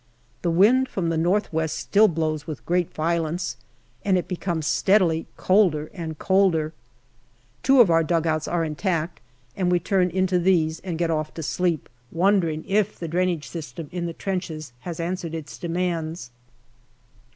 The wind from the north west still blows with great violence, and it becomes steadily colder and colder. Two of our dugouts are intact, and we turn into these and get off to sleep, NOVEMBER 273 wondering if the drainage system in the trenches has answered its demands.